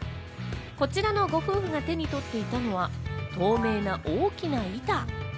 こちらのご夫婦が手に取っていたのは、透明な大きな板。